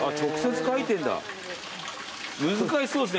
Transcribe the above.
難しそうですね